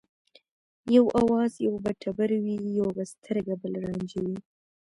یو آواز یو به ټبر وي یو به سترګه بل رانجه وي